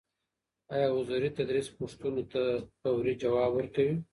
ايا حضوري تدريس پوښتنو ته فوري جواب ورکوي؟